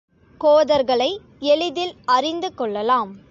கோதர்களை எளிதில் அறிந்துகொள்ளலாம்.